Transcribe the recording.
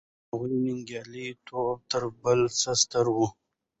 د هغې ننګیالی توب تر بل څه ستر و.